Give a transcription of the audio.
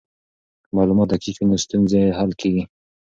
که معلومات دقیق وي نو ستونزې حل کیږي.